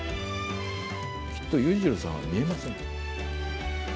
きっと裕次郎さんは見えません。